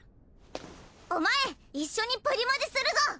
お前一緒にプリマジするぞ！